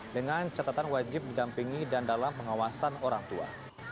dengan catatan wajib didampingi dan dalam pengawasan orang tua